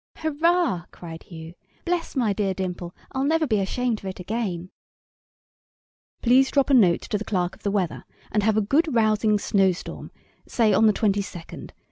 ['Hurrah!' cried Hugh; 'bless my dear dimple; I'll never be ashamed of it again.'] Please drop a note to the clerk of the weather, and have a good, rousing snow storm say on the twenty second.